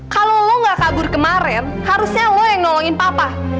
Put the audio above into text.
kalau lo gak kabur kemarin harusnya lo yang nolongin papa